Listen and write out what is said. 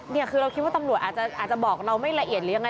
นี่คือเราคิดว่าตำรวจอาจจะบอกเราไม่ละเอียดหรือยังไง